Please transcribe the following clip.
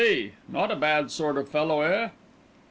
B.? Not a bad sort of fellow, eh?"